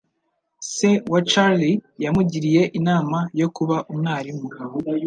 Se wa Charlie yamugiriye inama yo kuba umwarimu.